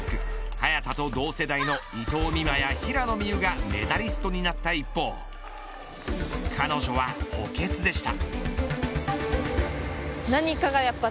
早田と同世代の伊藤美誠や平野美宇がメダリストになった一方彼女は補欠でした。